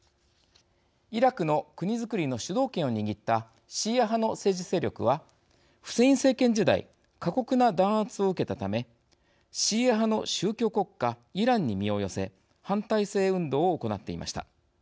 イラクの国づくりの主導権を握ったシーア派の政治勢力はフセイン政権時代苛酷な弾圧を受けたためシーア派の宗教国家イランに身を寄せ反体制運動を行っていました。